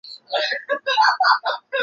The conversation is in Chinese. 自由民主党籍。